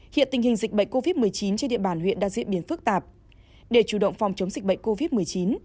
hiện tình hình dịch bệnh covid một mươi chín trên địa bàn huyện đang diễn biến phức tạp để chủ động phòng chống dịch bệnh covid một mươi chín